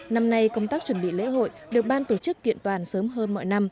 năm nay công tác chuẩn bị lễ hội được ban tổ chức kiện toàn sớm hơn mọi năm